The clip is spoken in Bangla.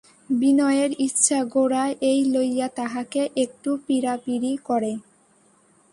বিনয়ের ইচ্ছা গোরা এই লইয়া তাহাকে একটু পীড়াপীড়ি করে।